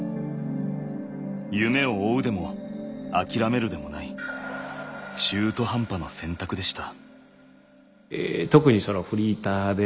夢を追うでも諦めるでもない中途半端な選択でした。